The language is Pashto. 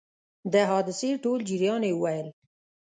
د حادثې ټول جریان یې وویل.